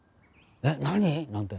「えっ？」なんて。